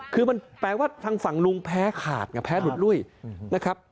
คือมันแปลว่าทางฝั่งลุงแพ้ขาดไงแพ้หลุดลุ้ยนะครับ